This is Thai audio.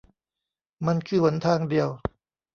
มันคือหนทางเดียว